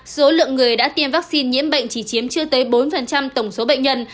số lượng người đã tiêm vaccine nhiễm bệnh chỉ chiếm chưa tới bốn tổng số bệnh nhân